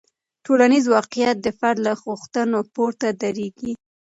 ټولنیز واقیعت د فرد له غوښتنو پورته دریږي.